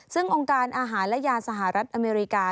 ซึ่งองค์การอาหารและยาสหรัฐอเมริกา